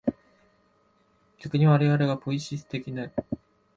逆に我々がポイエシス的なる所、行為的直観的なる所が、歴史的現在であるのである。